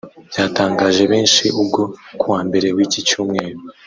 Byatangaje benshi ubwo kuwa mbere w’iki cyumweru